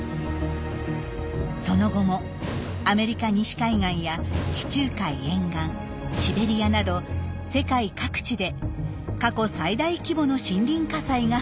その後もアメリカ西海岸や地中海沿岸シベリアなど世界各地で過去最大規模の森林火災が発生。